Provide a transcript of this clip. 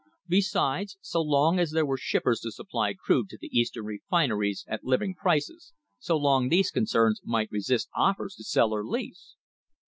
Besides, so long as there were shippers to supply crude to the Eastern refineries at living prices, so long these concerns might resist offers to sell or lease.